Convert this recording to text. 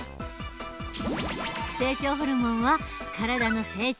成長ホルモンは体の成長